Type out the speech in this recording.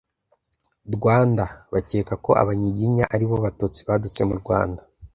rwanda bakeka ko abanyiginya ari bo batutsi badutse mu rwanda